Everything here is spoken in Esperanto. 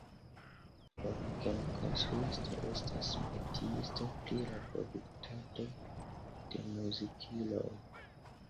Orgenkonstruisto estas metiisto pri la produktado de muzikiloj.